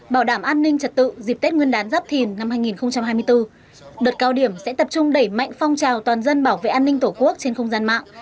bảo đảm an ninh trật tự dịp tết nguyên đán giáp thìn năm hai nghìn hai mươi bốn đợt cao điểm sẽ tập trung đẩy mạnh phong trào toàn dân bảo vệ an ninh tổ quốc trên không gian mạng